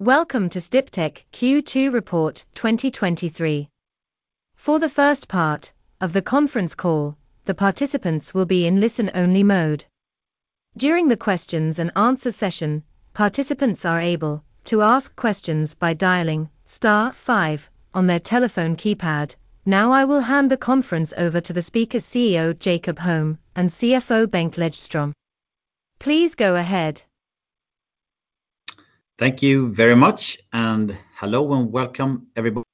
Welcome to Sdiptech Q2 report 2023. For the first part of the conference call, the participants will be in listen-only mode. During the questions and answer session, participants are able to ask questions by dialing star five on their telephone keypad. Now, I will hand the conference over to the speaker, CEO Jakob Holm, and CFO, Bengt Lejdström. Please go ahead. Thank you very much, hello, and welcome, everybody.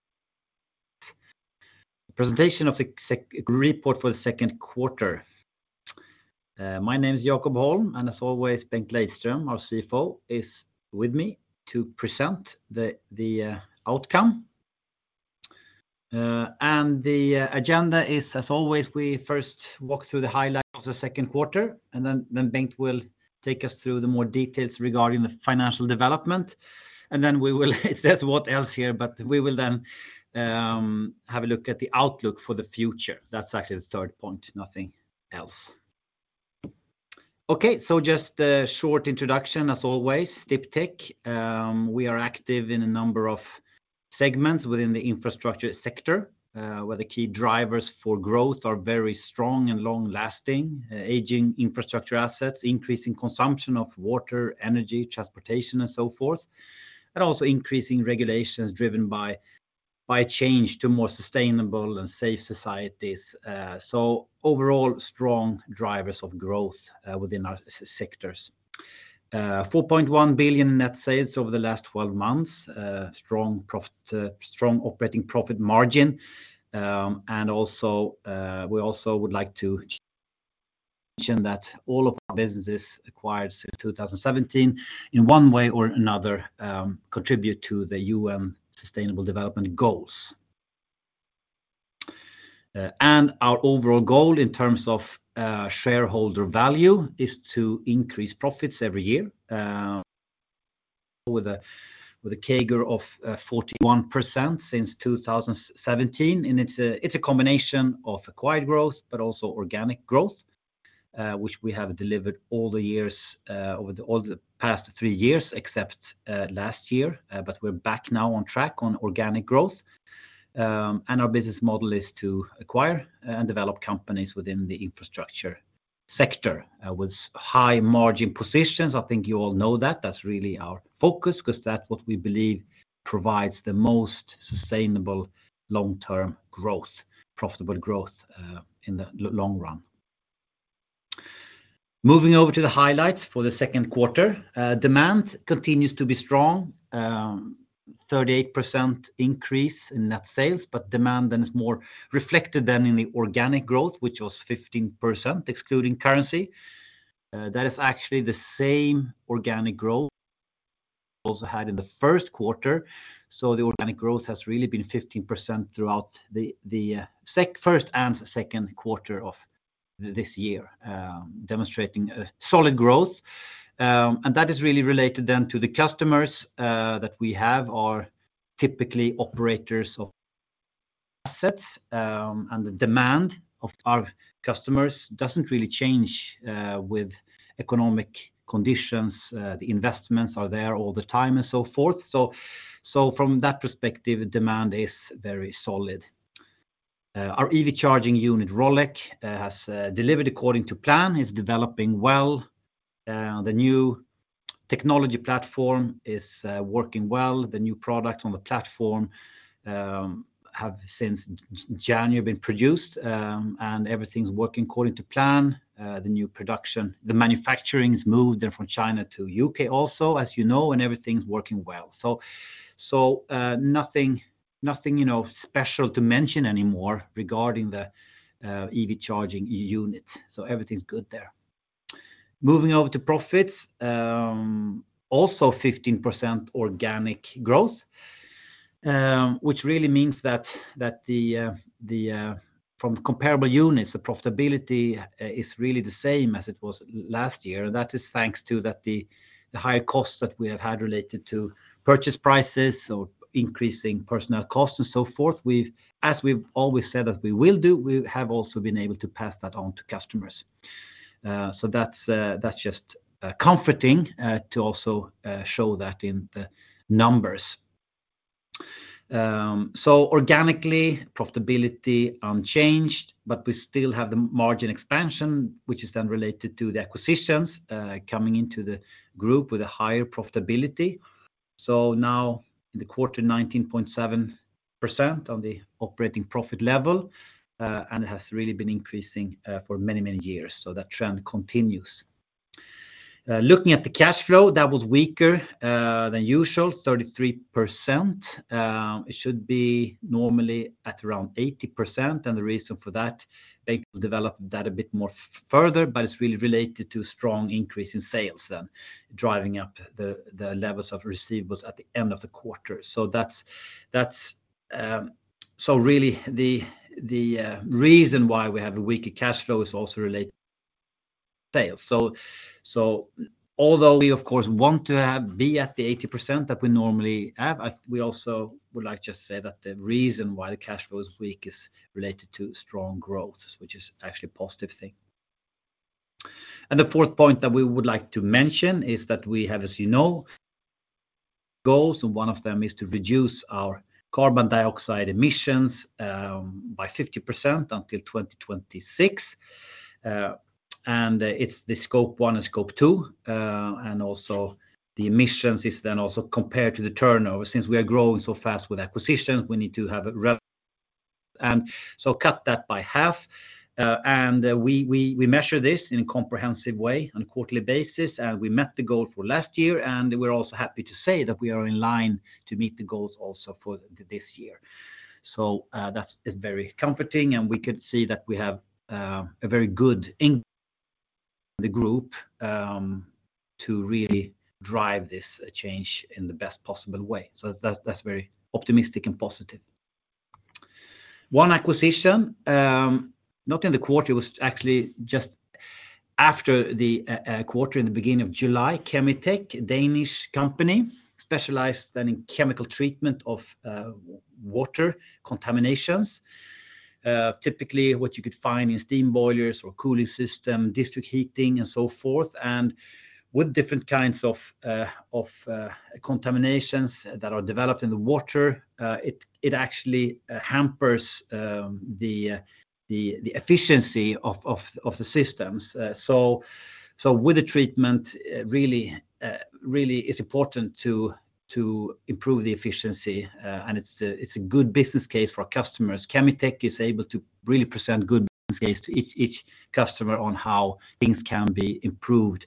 Presentation of the report for the second quarter. My name is Jakob Holm, and as always, Bengt Lejdström, our CFO, is with me to present the outcome. The agenda is, as always, we first walk through the highlights of the second quarter, then Bengt will take us through the more details regarding the financial development. Then we will, it says what else here, but we will then have a look at the outlook for the future. That's actually the third point, nothing else. Okay, just a short introduction, as always, Sdiptech, we are active in a number of segments within the infrastructure sector, where the key drivers for growth are very strong and long-lasting, aging infrastructure assets, increasing consumption of water, energy, transportation, and so forth, and also increasing regulations driven by a change to more sustainable and safe societies. Overall, strong drivers of growth within our sectors. 4.1 billion in net sales over the last 12 months, strong profit, strong operating profit margin. Also, we also would like to mention that all of our businesses acquired since 2017, in one way or another, contribute to the UN Sustainable Development Goals. Our overall goal in terms of shareholder value is to increase profits every year, with a CAGR of 41% since 2017. It's a combination of acquired growth, but also organic growth, which we have delivered all the years over the past 3 years, except last year. We're back now on track on organic growth. Our business model is to acquire and develop companies within the infrastructure sector, with high margin positions. I think you all know that. That's really our focus because that's what we believe provides the most sustainable long-term growth, profitable growth, in the long run. Moving over to the highlights for the second quarter. Demand continues to be strong, 38% increase in net sales, demand is more reflected than in the organic growth, which was 15%, excluding currency. That is actually the same organic growth also had in the first quarter. The organic growth has really been 15% throughout the first and second quarter of this year, demonstrating a solid growth. That is really related to the customers that we have are typically operators of assets, the demand of our customers doesn't really change with economic conditions. The investments are there all the time and so forth. From that perspective, demand is very solid. Our EV charging unit, Rolec, has delivered according to plan, is developing well. The new technology platform is working well. The new products on the platform have since January been produced. Everything's working according to plan. The new production, the manufacturing is moved then from China to U.K., also, as you know. Everything's working well. Nothing, nothing, you know, special to mention anymore regarding the EV charging unit, so everything's good there. Moving over to profits, also 15% organic growth, which really means that the from comparable units, the profitability is really the same as it was last year. That is thanks to that the high costs that we have had related to purchase prices or increasing personnel costs and so forth. As we've always said that we will do, we have also been able to pass that on to customers. That's just comforting to also show that in the numbers. Organically, profitability unchanged, but we still have the margin expansion, which is then related to the acquisitions coming into the group with a higher profitability. Now in the quarter, 19.7% on the operating profit level, and it has really been increasing for many, many years. That trend continues. Looking at the cash flow, that was weaker than usual, 33%. It should be normally at around 80%, and the reason for that, Bengt Lejdström will develop that a bit more further, but it's really related to strong increase in sales then driving up the levels of receivables at the end of the quarter. That's. Really, the reason why we have a weaker cash flow is also related to sales. Although we, of course, want to be at the 80% that we normally have, we also would like to say that the reason why the cash flow is weak is related to strong growth, which is actually a positive thing. The fourth point that we would like to mention is that we have, as you know, goals, and one of them is to reduce our carbon dioxide emissions by 50% until 2026. It's the Scope 1 and Scope 2, and also the emissions is then also compared to the turnover. Since we are growing so fast with acquisitions, we need to cut that by half. We measure this in a comprehensive way on a quarterly basis, and we met the goal for last year, and we're also happy to say that we are in line to meet the goals also for this year. That's very comforting, and we could see that we have a very good in the group to really drive this change in the best possible way. That's that's very optimistic and positive. One acquisition, not in the quarter, it was actually just after the quarter in the beginning of July, Kemi-tech, a Danish company, specialized in chemical treatment of water contaminations. Typically, what you could find in steam boilers or cooling system, district heating, and so forth, and with different kinds of contaminations that are developed in the water, it actually hampers the efficiency of the systems. With the treatment, really, it's important to improve the efficiency, and it's a good business case for our customers. Kemi-tech is able to really present good business case to each customer on how things can be improved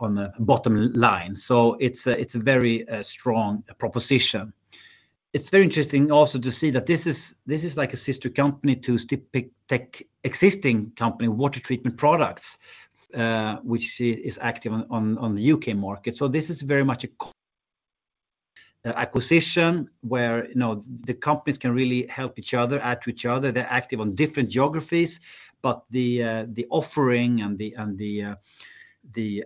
on the bottom line. It's a very strong proposition. It's very interesting also to see that this is like a sister company to Sdiptech, existing company, Water Treatment Products, which is active on the U.K. market. This is very much a acquisition where, you know, the companies can really help each other, add to each other. They're active on different geographies, but the offering and the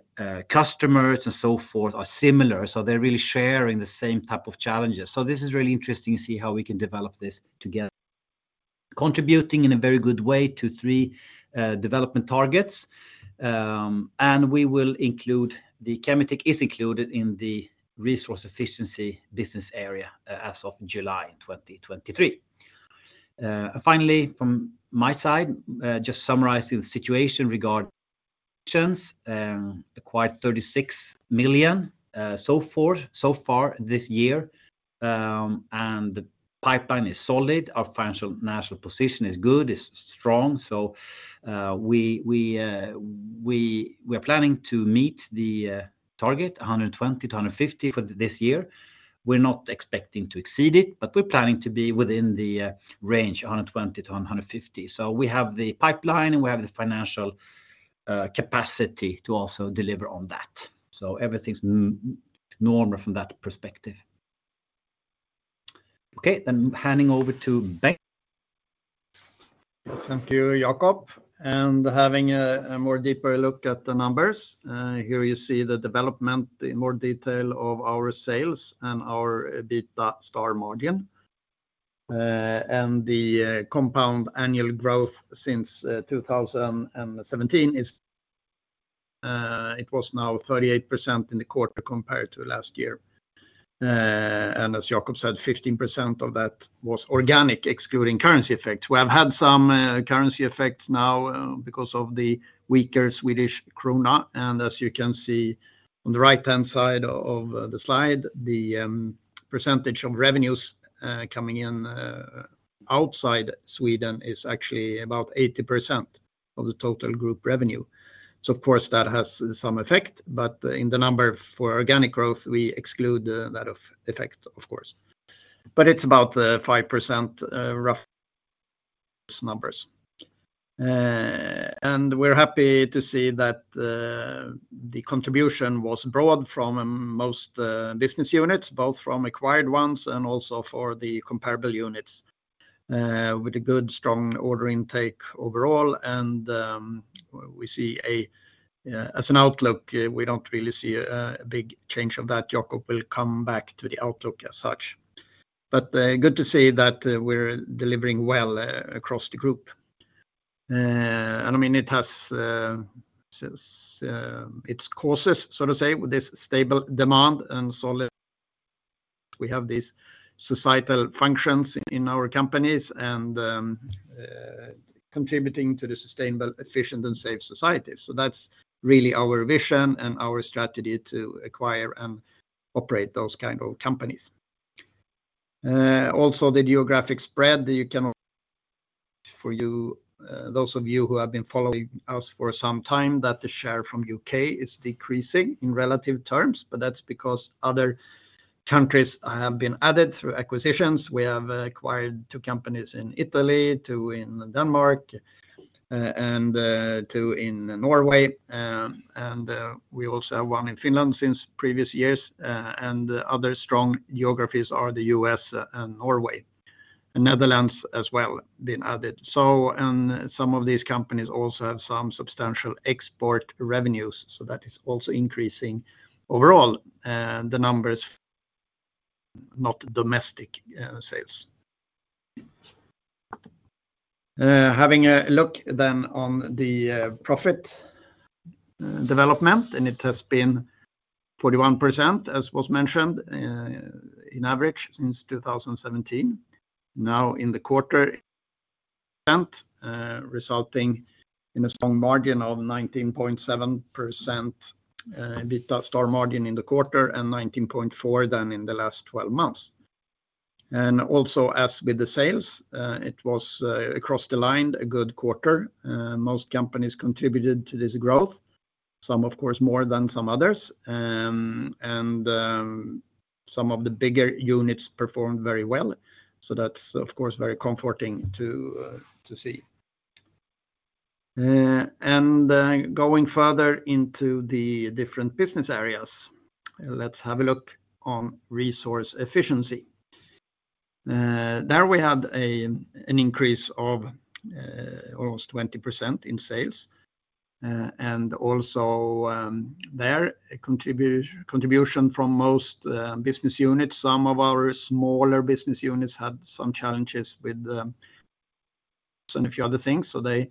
customers and so forth are similar, so they're really sharing the same type of challenges. This is really interesting to see how we can develop this together. Contributing in a very good way to three development targets, and we will include, the Kemi-tech is included in the Resource Efficiency business area as of July 2023. Finally, from my side, just summarizing the situation regarding acquisitions, acquired 36 million, so forth, so far this year, and the pipeline is solid. Our financial position is good, is strong, so we are planning to meet the target, 120-150 for this year. We're not expecting to exceed it, but we're planning to be within the range, 120-150. We have the pipeline, and we have the financial capacity to also deliver on that. Everything's normal from that perspective. Okay, handing over to Bengt. Thank you, Jakob. Having a more deeper look at the numbers, here you see the development in more detail of our sales and our EBITA* margin. The compound annual growth since 2017 it was now 38% in the quarter compared to last year. As Jakob said, 15% of that was organic, excluding currency effects. We have had some currency effects now because of the weaker Swedish krona, as you can see on the right-hand side of the slide, the percentage of revenues coming in outside Sweden is actually about 80% of the total group revenue. Of course, that has some effect, but in the number for organic growth, we exclude that effect, of course. It's about 5% rough numbers. We're happy to see that the contribution was broad from most business units, both from acquired ones and also for the comparable units, with a good, strong order intake overall. We see as an outlook, we don't really see a big change of that. Jakob will come back to the outlook as such. Good to see that we're delivering well across the group. I mean, it has its causes, so to say, with this stable demand and solid we have these societal functions in our companies and contributing to the sustainable, efficient, and safe society. That's really our vision and our strategy to acquire and operate those kind of companies. Also the geographic spread, you can for you, those of you who have been following us for some time, that the share from U.K. is decreasing in relative terms. That's because other countries have been added through acquisitions. We have acquired two companies in Italy, two in Denmark, and two in Norway, and we also have one in Finland since previous years, and other strong geographies are the U.S. and Norway, and Netherlands as well, been added. Some of these companies also have some substantial export revenues, so that is also increasing overall the numbers, not domestic sales. Having a look then on the profit development, it has been 41%, as was mentioned, in average since 2017. Now, in the quarter, resulting in a strong margin of 19.7%, EBITDA strong margin in the quarter, and 19.4% than in the last 12 months. Also, as with the sales, it was across the line, a good quarter. Most companies contributed to this growth, some of course, more than some others, and some of the bigger units performed very well. That's, of course, very comforting to see. Going further into the different business areas, let's have a look on Resource Efficiency. There we had an increase of almost 20% in sales, and also, there, a contribution from most business units. Some of our smaller business units had some challenges with some few other things, they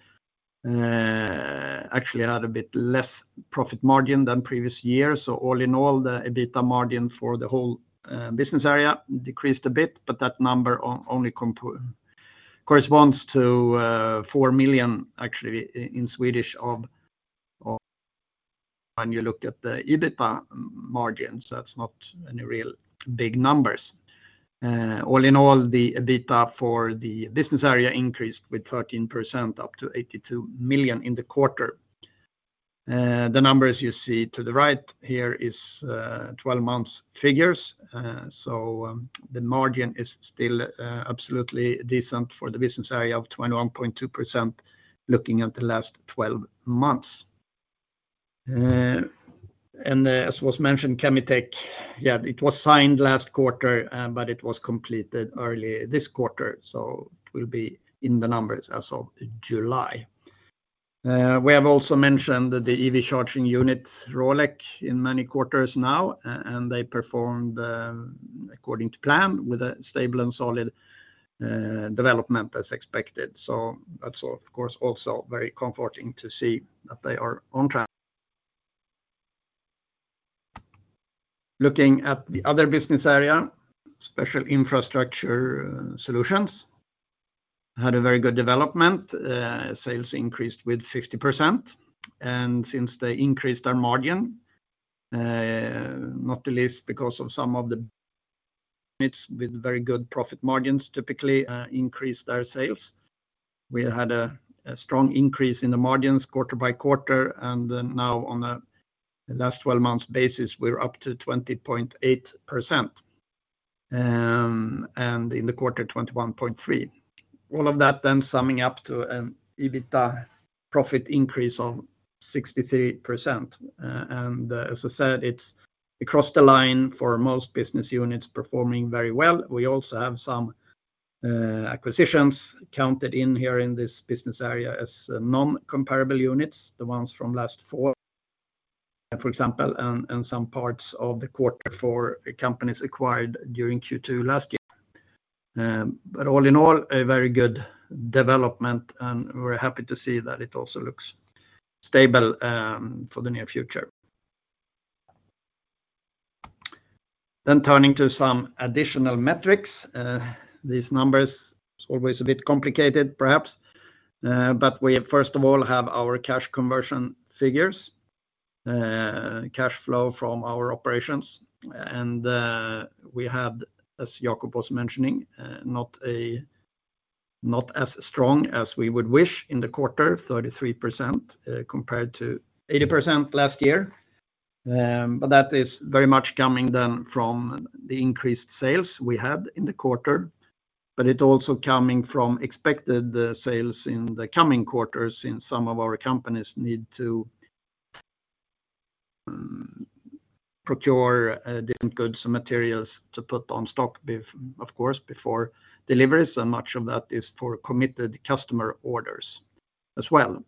actually had a bit less profit margin than previous years. All in all, the EBITDA margin for the whole business area decreased a bit, but that number only corresponds to 4 million, actually, in Swedish of when you look at the EBITDA margins, that's not any real big numbers. All in all, the EBITDA for the business area increased with 13%, up to 82 million in the quarter. The numbers you see to the right here is 12 months figures. So, the margin is still absolutely decent for the business area of 21.2%, looking at the last 12 months. As was mentioned, Kemi-tech, yeah, it was signed last quarter, but it was completed early this quarter, so it will be in the numbers as of July. We have also mentioned the EV charging unit, Rolec, in many quarters now, and they performed according to plan, with a stable and solid development as expected. That's of course, also very comforting to see that they are on track. Looking at the other business area, Special Infrastructure Solutions, had a very good development. Sales increased with 60%, and since they increased our margin, not the least because of some of the units with very good profit margins, typically, increased our sales. We had a strong increase in the margins quarter by quarter. Now on a last twelve months basis, we're up to 20.8%, and in the quarter, 21.3%. All of that then summing up to an EBITDA profit increase of 63%. As I said, it's across the line for most business units performing very well. We also have some acquisitions counted in here in this business area as non-comparable units, the ones from last four, for example, and some parts of the quarter for companies acquired during Q2 last year. All in all, a very good development, and we're happy to see that it also looks stable for the near future. Turning to some additional metrics, these numbers is always a bit complicated, perhaps, but we first of all, have our cash conversion figures, cash flow from our operations, and we had, as Jakob was mentioning, not as strong as we would wish in the quarter, 33%, compared to 80% last year. That is very much coming then from the increased sales we had in the quarter, but it also coming from expected sales in the coming quarters, in some of our companies need to procure, different goods and materials to put on stock, be of course, before deliveries, and much of that is for committed customer orders as well.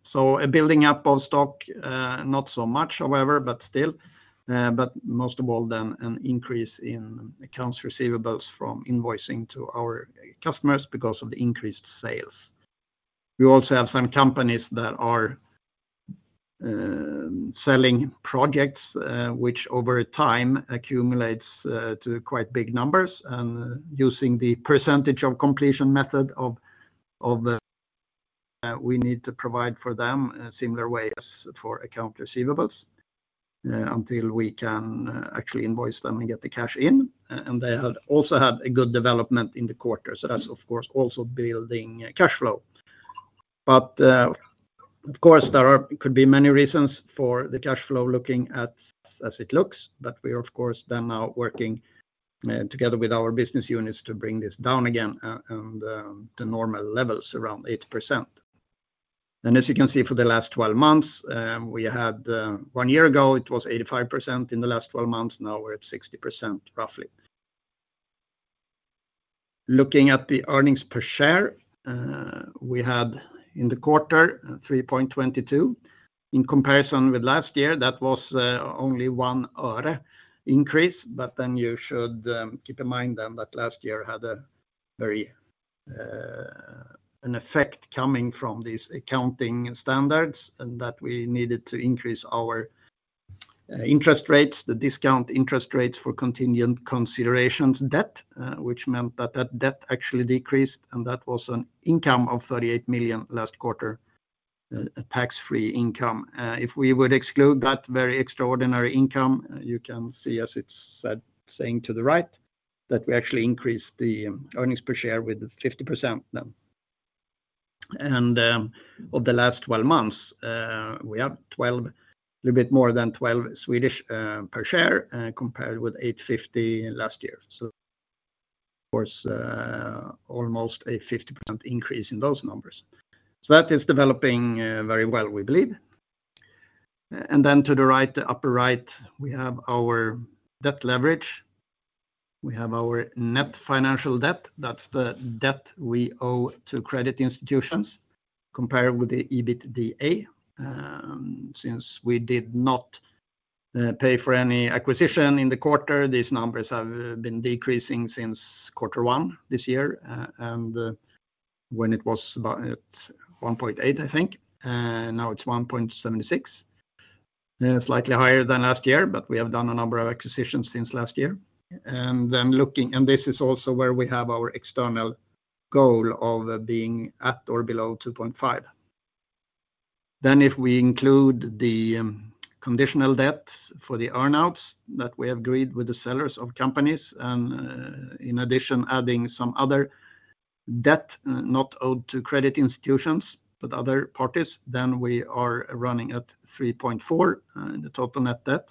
A building up of stock, not so much, however, but still, but most of all, an increase in accounts receivables from invoicing to our customers because of the increased sales. We also have some companies that are selling projects, which over time accumulates to quite big numbers, and using the percentage of completion method of the, we need to provide for them a similar way as for account receivables, until we can actually invoice them and get the cash in. They had also had a good development in the quarter. That's, of course, also building cash flow. Of course, there could be many reasons for the cash flow looking as it looks, but we, of course, then now working together with our business units to bring this down again on the normal levels, around 8%. As you can see, for the last 12 months, we had one year ago, it was 85% in the last 12 months, now we're at 60%, roughly. Looking at the earnings per share, we had in the quarter, 3.22. In comparison with last year, that was only 1 other increase, but you should keep in mind that last year had a very.. an effect coming from these accounting standards, and that we needed to increase our interest rates, the discount interest rates for contingent considerations debt, which meant that that debt actually decreased, and that was an income of 38 million last quarter, a tax-free income. If we would exclude that very extraordinary income, you can see, as it's said, saying to the right, that we actually increased the earnings per share with 50% now. Over the last 12 months, we have a little bit more than 12 per share, compared with 8.50 last year. Of course, almost a 50% increase in those numbers. That is developing very well, we believe. To the right, the upper right, we have our debt leverage. We have our net financial debt, that's the debt we owe to credit institutions, compared with the EBITDA. Since we did not pay for any acquisition in the quarter, these numbers have been decreasing since quarter one this year, and when it was about at 1.8, I think, and now it's 1.76. Slightly higher than last year, but we have done a number of acquisitions since last year. This is also where we have our external goal of being at or below 2.5. If we include the conditional debt for the earn-outs that we have agreed with the sellers of companies, and in addition, adding some other debt, not owed to credit institutions, but other parties, then we are running at 3.4 in the total net debt.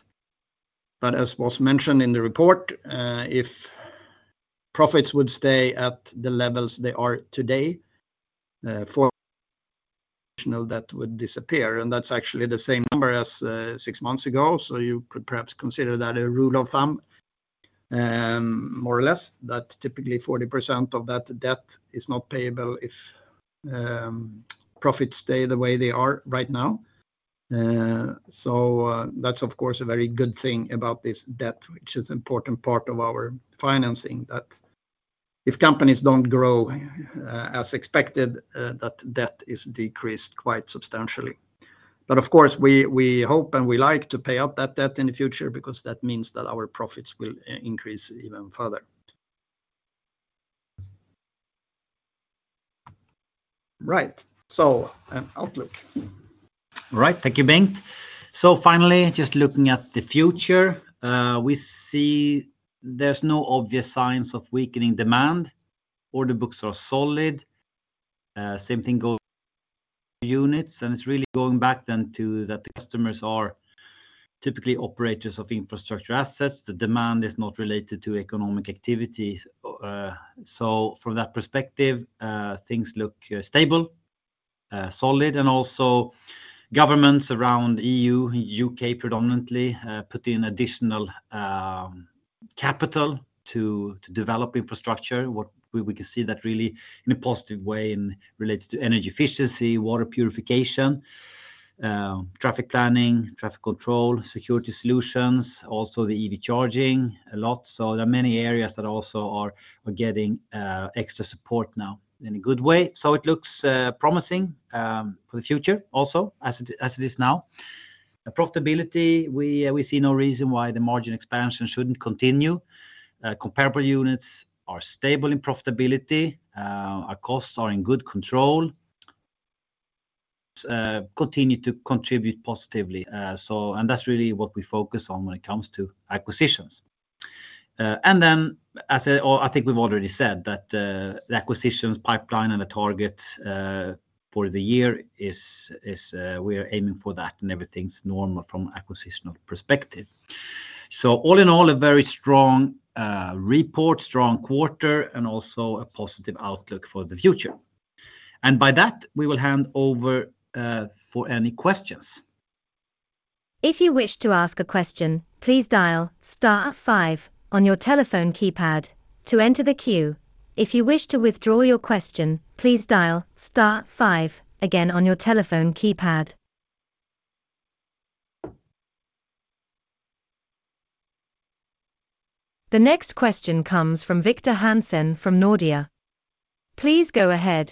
As was mentioned in the report, if profits would stay at the levels they are today, for that would disappear, and that's actually the same number as six months ago. You could perhaps consider that a rule of thumb, more or less, that typically 40% of that debt is not payable if profits stay the way they are right now. That's of course, a very good thing about this debt, which is important part of our financing, that if companies don't grow, as expected, that debt is decreased quite substantially. Of course, we hope and we like to pay up that debt in the future because that means that our profits will increase even further. Right, so an outlook. Right. Thank you, Bengt. Finally, just looking at the future, we see there's no obvious signs of weakening demand. Order books are solid. Same thing goes units, and it's really going back then to that the customers are typically operators of infrastructure assets. The demand is not related to economic activity. From that perspective, things look stable, solid, and also governments around E.U., U.K., predominantly, put in additional capital to develop infrastructure. What we can see that really in a positive way in related to energy efficiency, water purification, traffic planning, traffic control, security solutions, also the EV charging a lot. There are many areas that also are getting extra support now in a good way. It looks promising for the future, also as it is now. The profitability, we see no reason why the margin expansion shouldn't continue. Comparable units are stable in profitability. Our costs are in good control, continue to contribute positively. That's really what we focus on when it comes to acquisitions. I think we've already said that the acquisitions pipeline and the target for the year, we are aiming for that, and everything's normal from an acquisitional perspective. All in all, a very strong report, strong quarter, and also a positive outlook for the future. By that, we will hand over for any questions. If you wish to ask a question, please dial star five on your telephone keypad to enter the queue. If you wish to withdraw your question, please dial star five again on your telephone keypad. The next question comes from Victor Hansen from Nordea. Please go ahead.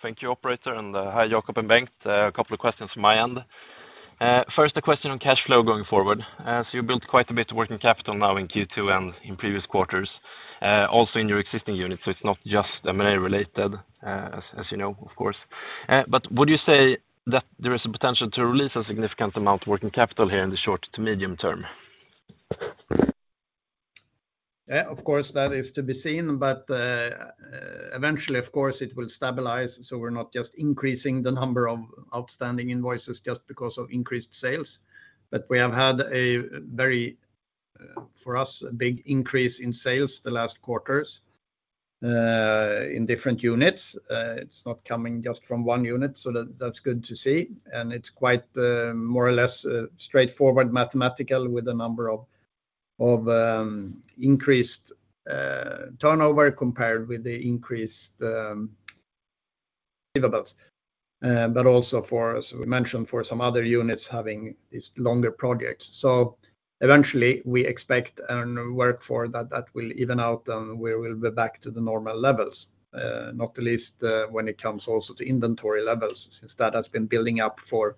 Thank you, operator. Hi, Jakob and Bengt. A couple of questions from my end. First, a question on cash flow going forward. You built quite a bit working capital now in Q2 and in previous quarters, also in your existing units. It's not just M&A related, as you know, of course. Would you say that there is a potential to release a significant amount of working capital here in the short to medium term? Yeah, of course, that is to be seen, but eventually, of course, it will stabilize, so we're not just increasing the number of outstanding invoices just because of increased sales. We have had a very, for us, a big increase in sales the last quarters, in different units. It's not coming just from one unit, so that's good to see. It's quite, more or less, straightforward mathematical with the number of increased turnover compared with the increased, but also for, as we mentioned, for some other units having these longer projects. Eventually, we expect a new work for that will even out, and we will be back to the normal levels, not the least, when it comes also to inventory levels, since that has been building up for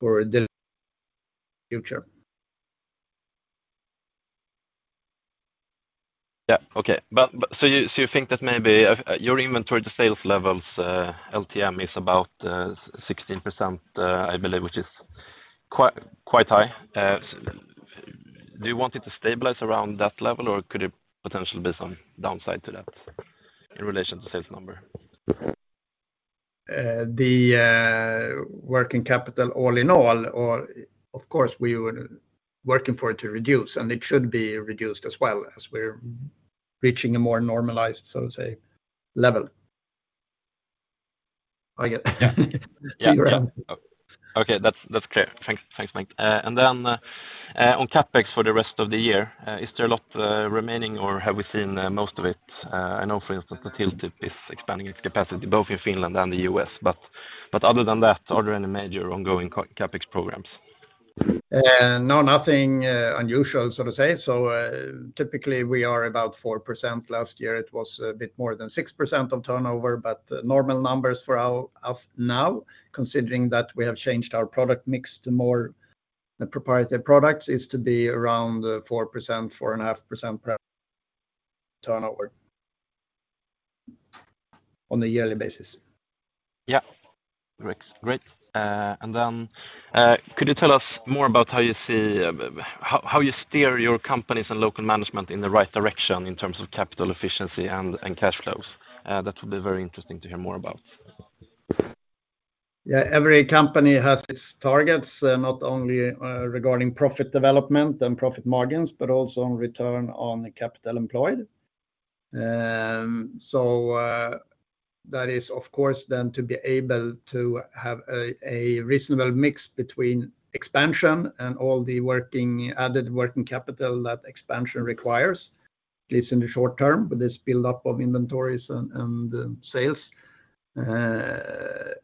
the future. Yeah. Okay. You think that maybe your inventory to sales levels, LTM, is about 16%, I believe, which is quite high. Do you want it to stabilize around that level, or could it potentially be some downside to that in relation to sales number? The working capital all in all, or of course, we were working for it to reduce, and it should be reduced as well as we're reaching a more normalized, so to say, level. [I get Okay, that's clear. Thanks. Thanks, Mate. Then, on CapEx for the rest of the year, is there a lot remaining or have we seen most of it? I know, for instance, the Hilltip is expanding its capacity, both in Finland and the U.S. Other than that, are there any major ongoing CapEx programs? No, nothing unusual, so to say. Typically, we are about 4%. Last year, it was a bit more than 6% of turnover, but normal numbers for our as of now, considering that we have changed our product mix to more proprietary products, is to be around 4%-4.5% per turnover on a yearly basis. Yeah. Great. Great. Could you tell us more about how you see, how you steer your companies and local management in the right direction in terms of capital efficiency and cash flows? That would be very interesting to hear more about. Every company has its targets, not only regarding profit development and profit margins, but also on return on capital employed. That is, of course, then to be able to have a reasonable mix between expansion and all the working, added working capital that expansion requires, at least in the short term, with this buildup of inventories and sales. To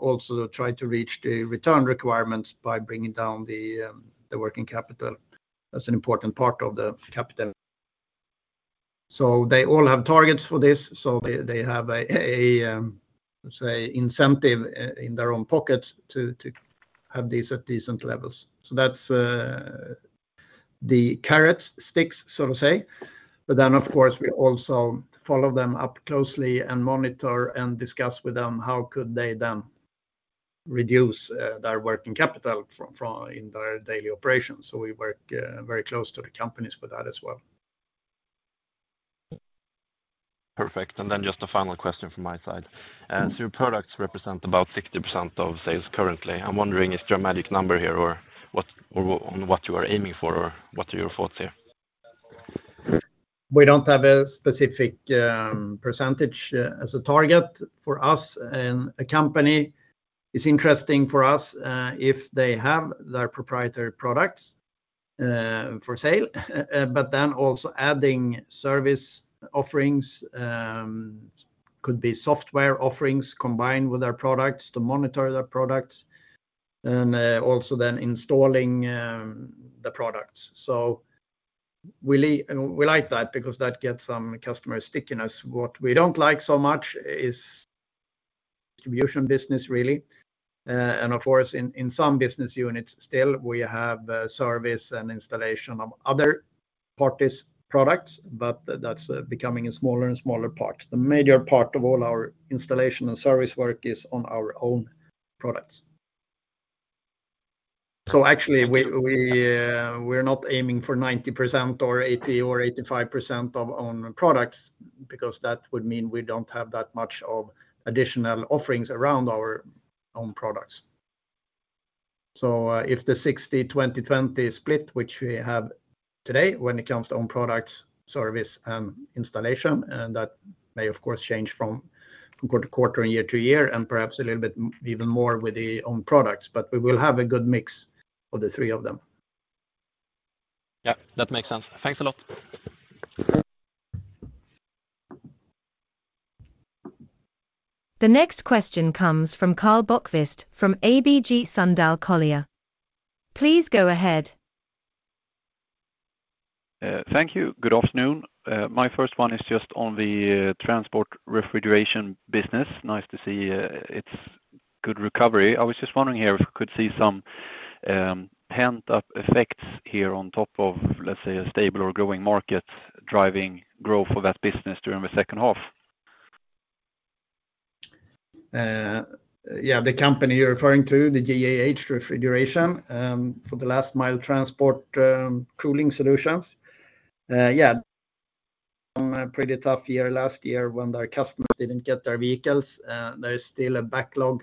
also try to reach the return requirements by bringing down the working capital. That's an important part of the capital. They all have targets for this, so they have a, let's say, incentive in their own pockets to have these at decent levels. That's the carrots, sticks, so to say. Of course, we also follow them up closely and monitor and discuss with them how could they then reduce their working capital from in their daily operations. We work very close to the companies for that as well. Perfect. Just a final question from my side. Your products represent about 60% of sales currently. I'm wondering, is there a magic number here or what, or on what you are aiming for, or what are your thoughts there? We don't have a specific percentage as a target for us. A company is interesting for us if they have their proprietary products for sale, but then also adding service offerings, could be software offerings combined with their products to monitor their products, and also then installing the products. We like that because that gets some customer stickiness. What we don't like so much is contribution business, really. Of course, in some business units, still, we have service and installation of other parties products, but that's becoming a smaller and smaller part. The major part of all our installation and service work is on our own products. Actually, we're not aiming for 90% or 80% or 85% of own products, because that would mean we don't have that much of additional offerings around our own products. If the 60-20-20 split, which we have today when it comes to own products, service and installation, and that may, of course, change from quarter to quarter and year to year, and perhaps a little bit even more with the own products, but we will have a good mix of the three of them. Yeah, that makes sense. Thanks a lot. The next question comes from Karl Bokvist, from ABG Sundal Collier. Please go ahead. Thank you. Good afternoon. My first one is just on the transport refrigeration business. Nice to see it's good recovery. I was just wondering here if you could see some pent-up effects here on top of, let's say, a stable or growing market, driving growth for that business during the second half? The company you're referring to, the GAH Refrigeration, for the last mile transport, cooling solutions. A pretty tough year last year when their customers didn't get their vehicles. There is still a backlog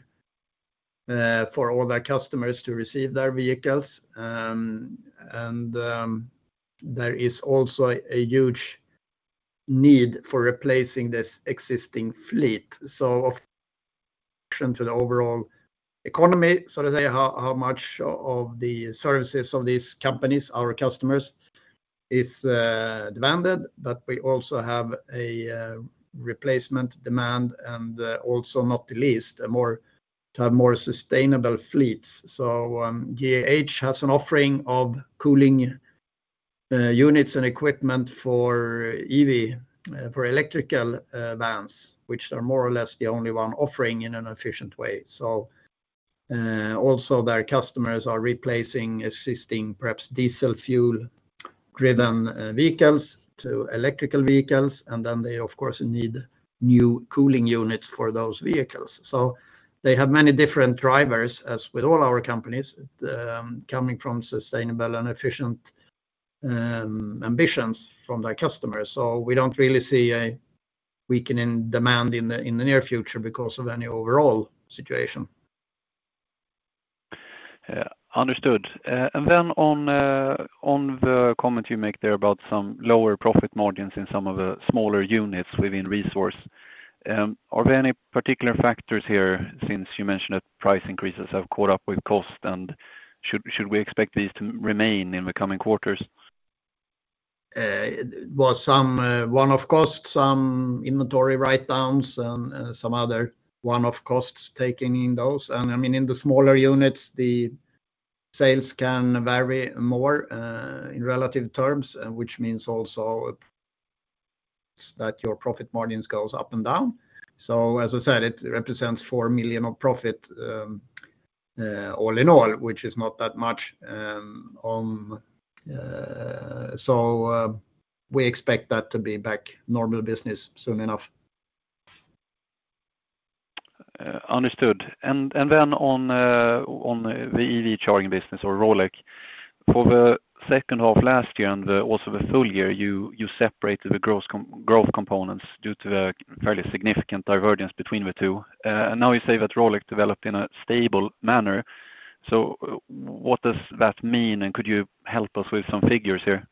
for all their customers to receive their vehicles. There is also a huge need for replacing this existing fleet. to the overall economy, how much of the services of these companies, our customers, is demanded, but we also have a replacement demand, and also not the least, a more, to have more sustainable fleets. GAH has an offering of cooling units and equipment for EV, for electrical vans, which are more or less the only one offering in an efficient way. also their customers are replacing, assisting, perhaps diesel fuel-driven vehicles to electrical vehicles, and then they, of course, need new cooling units for those vehicles. They have many different drivers, as with all our companies, coming from sustainable and efficient ambitions from their customers. We don't really see a weakening demand in the, in the near future because of any overall situation. Yeah. Understood. Then on the comment you make there about some lower profit margins in some of the smaller units within Resource, are there any particular factors here, since you mentioned that price increases have caught up with cost? Should we expect these to remain in the coming quarters? Well, some one-off costs, some inventory write-downs, and some other one-off costs taking in those. I mean, in the smaller units, the sales can vary more, in relative terms, which means also that your profit margins goes up and down. As I said, it represents 4 million of profit, all in all, which is not that much. We expect that to be back normal business soon enough. Understood. On the EV charging business or Rolec, for the second half of last year and the also the full year, you separated the gross growth components due to a fairly significant divergence between the two. Now you say that Rolec developed in a stable manner. What does that mean? Could you help us with some figures here?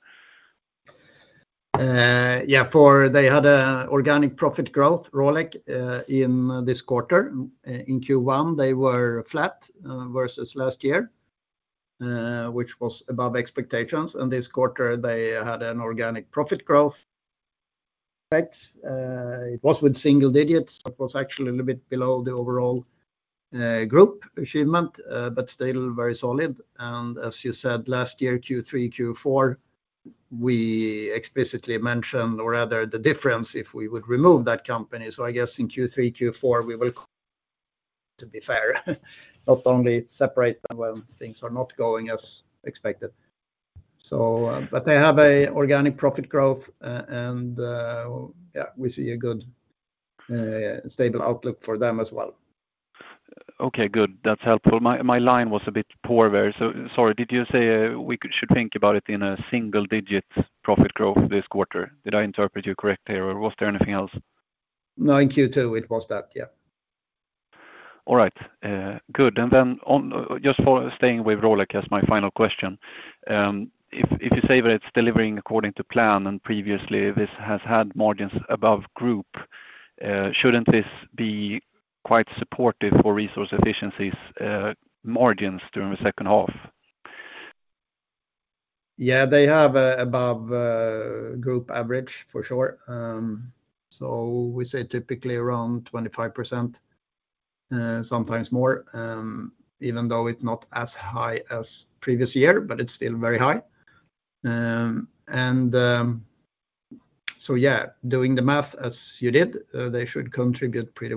Yeah, for they had a organic profit growth, Rolec, in this quarter. In Q1, they were flat versus last year, which was above expectations. This quarter, they had an organic profit growth. It was with single digits. It was actually a little bit below the overall group achievement, but still very solid. As you said, last year, Q3, Q4, we explicitly mentioned, or rather, the difference, if we would remove that company. I guess in Q3, Q4, we will, to be fair, not only separate them when things are not going as expected. But they have a organic profit growth, and, yeah, we see a good, stable outlook for them as well. Okay, good. That's helpful. My line was a bit poor there, so sorry. Did you say we should think about it in a single-digit profit growth this quarter? Did I interpret you correctly or was there anything else? No, in Q2, it was that, yeah. All right, good. Just for staying with Rolec as my final question, if you say that it's delivering according to plan, and previously this has had margins above group, shouldn't this be quite supportive for Resource Efficiency's margins during the second half? Yeah, they have above group average, for sure. We say typically around 25%, sometimes more, even though it's not as high as previous year, but it's still very high. Yeah, doing the math as you did, they should contribute pretty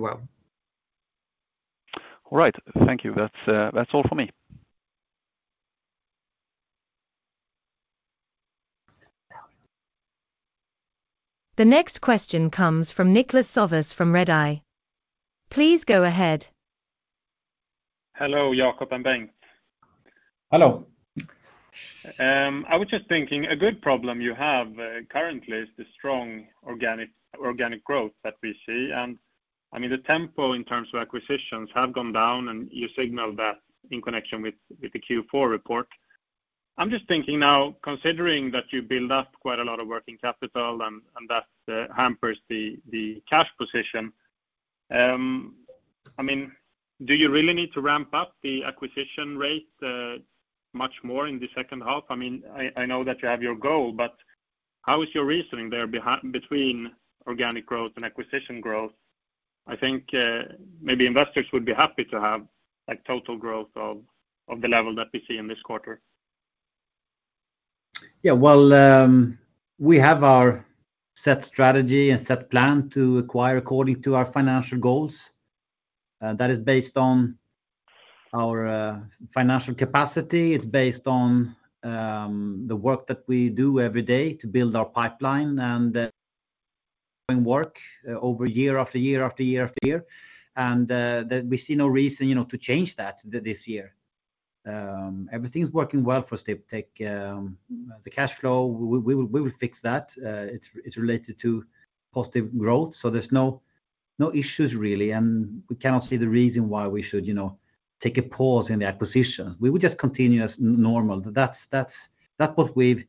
well. All right. Thank you. That's all for me. The next question comes from Niklas Sävås, from Redeye. Please go ahead. Hello, Jakob and Bengt. Hello. I was just thinking, a good problem you have currently is the strong organic growth that we see. I mean, the tempo in terms of acquisitions have gone down, and you signaled that in connection with the Q4 report. I'm just thinking now, considering that you build up quite a lot of working capital and that hampers the cash position, I mean, do you really need to ramp up the acquisition rate much more in the second half? I mean, I know that you have your goal, but how is your reasoning there between organic growth and acquisition growth? I think maybe investors would be happy to have a total growth of the level that we see in this quarter. Well, we have our set strategy and set plan to acquire according to our financial goals. That is based on our financial capacity. It's based on the work that we do every day to build our pipeline and work over year after year after year after year. That we see no reason, you know, to change that this year. Everything is working well for Sdiptech. The cash flow, we will fix that. It's related to positive growth, so there's no issues really, and we cannot see the reason why we should, you know, take a pause in the acquisition. We would just continue as normal. That's what we've-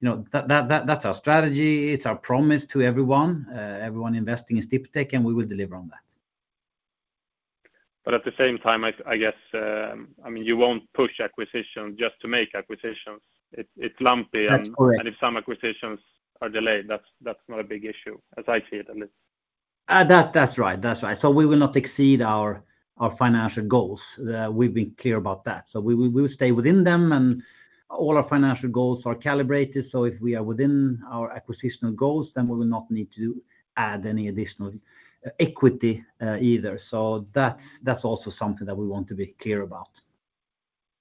You know, that's our strategy, it's our promise to everyone investing in Sdiptech, and we will deliver on that. At the same time, I guess, I mean, you won't push acquisition just to make acquisitions. It's lumpy- That's correct. If some acquisitions are delayed, that's not a big issue, as I see it, at least. That's right. That's right. We will not exceed our financial goals. We've been clear about that. We will stay within them, and all our financial goals are calibrated. If we are within our acquisitional goals, then we will not need to add any additional equity, either. That's also something that we want to be clear about.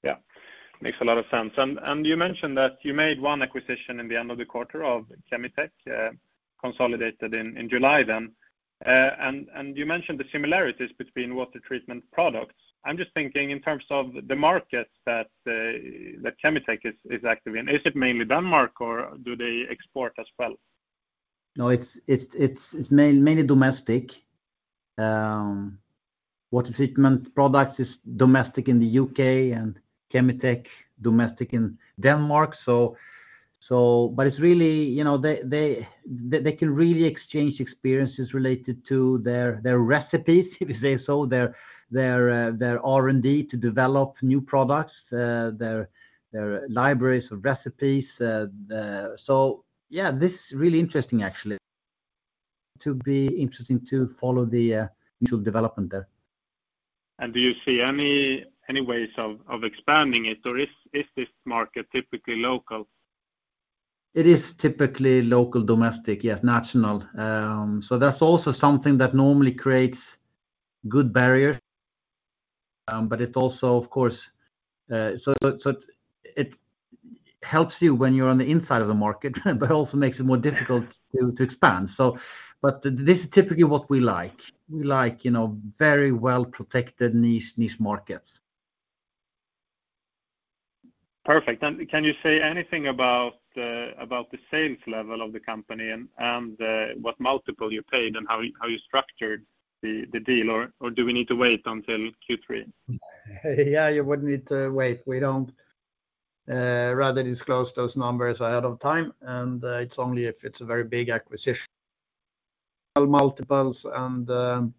Yeah. Makes a lot of sense. You mentioned that you made one acquisition in the end of the quarter of Kemi-tech, consolidated in July then. You mentioned the similarities between water treatment products. I'm just thinking in terms of the markets that Kemi-tech is active in, is it mainly Denmark, or do they export as well? No, it's mainly domestic. Water Treatment Products is domestic in the U.K., and Kemi-tech, domestic in Denmark. But it's really, you know, they can really exchange experiences related to their recipes, if they sold their R&D to develop new products, their libraries of recipes. Yeah, this is really interesting, actually, to be interesting to follow the into development there. Do you see any ways of expanding it, or is this market typically local? It is typically local, domestic, yes, national. That's also something that normally creates good barrier, but it also, of course, it helps you when you're on the inside of the market, but also makes it more difficult to expand. This is typically what we like. We like, you know, very well protected niche markets. Perfect. Can you say anything about the sales level of the company and what multiple you paid and how you structured the deal, or do we need to wait until Q3? Yeah, you would need to wait. We don't rather disclose those numbers ahead of time, and it's only if it's a very big acquisition. All multiples and the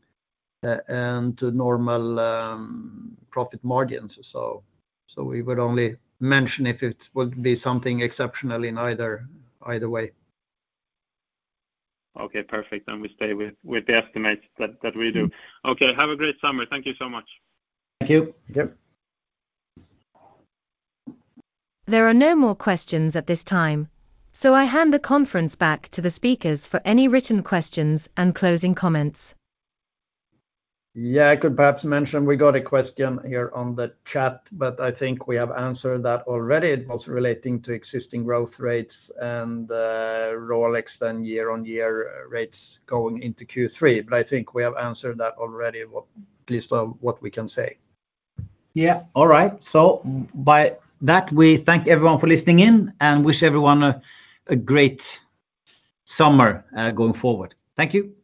and normal profit margins. We would only mention if it would be something exceptional in either way. Okay, perfect. We stay with the estimates that we do. Okay, have a great summer. Thank you so much. Thank you. Yep. There are no more questions at this time, I hand the conference back to the speakers for any written questions and closing comments. Yeah, I could perhaps mention we got a question here on the chat, but I think we have answered that already. It was relating to existing growth rates and, Rolec than year-on-year rates going into Q3, but I think we have answered that already, at least on what we can say. Yeah. All right. By that, we thank everyone for listening in and wish everyone a great summer going forward. Thank you.